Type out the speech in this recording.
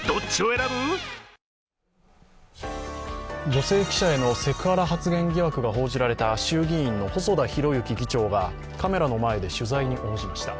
女性記者へのセクハラ発言疑惑が報じられた衆議院の細田博之議長がカメラの前で取材に応じました。